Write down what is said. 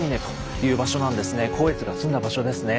光悦が住んだ場所ですね。